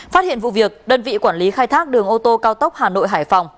phát hiện vụ việc đơn vị quản lý khai thác đường ô tô cao tốc hà nội hải phòng